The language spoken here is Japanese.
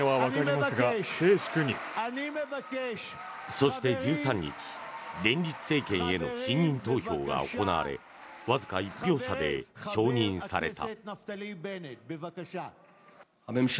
そして、１３日連立政権への信任投票が行われわずか１票差で承認された。